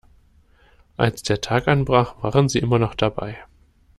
Als der Tag anbrach, waren sie immer noch dabei.